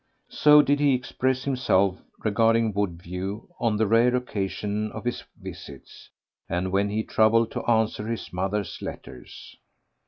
So did he express himself regarding Woodview on the rare occasion of his visits, and when he troubled to answer his mother's letters.